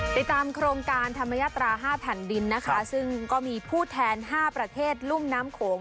ติดตามโครงการธรรมยาตรา๕แผ่นดินนะคะซึ่งก็มีผู้แทน๕ประเทศรุ่มน้ำโขง